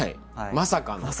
まさかの。